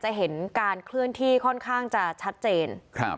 เห็นการเคลื่อนที่ค่อนข้างจะชัดเจนครับ